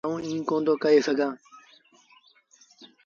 آئوٚنٚ ايٚ ڪوندو ڪهي سگھآݩٚ